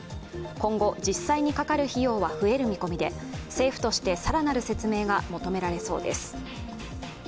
今後、実際にかかる費用は増える見込みで政府として更なる説明が求められそうです。